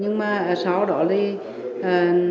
chứng minh cái số tiền trong tài khoản có trống sạch hay không